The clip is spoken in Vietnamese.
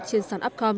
trên sàn upcom